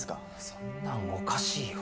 そんなのおかしいよ。